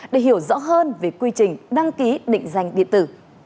để hiểu rõ hơn về quy trình đăng ký định danh điện tử